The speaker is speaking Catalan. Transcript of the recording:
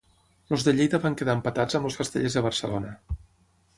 Els de Lleida van quedar empatats amb els Castellers de Barcelona.